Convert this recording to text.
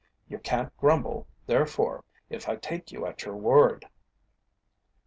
You can't grumble, therefore, if I take you at your word."